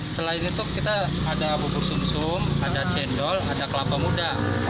selain itu kita ada bubur sumsum ada cendol ada kelapa muda